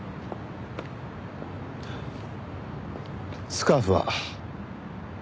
スカーフは？